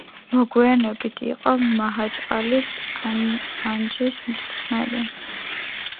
მოგვიანებით იყო მაჰაჩყალის „ანჟის“ მწვრთნელი.